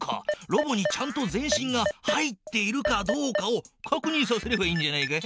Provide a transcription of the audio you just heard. ロボにちゃんと全身が入っているかどうかをかくにんさせればいいんじゃないか？